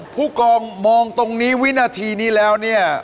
ผู้กองมองตรงนี้วินาทีนี้แล้วเนี่ย